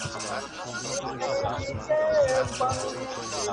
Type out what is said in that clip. هايبريډيټي اغېز لري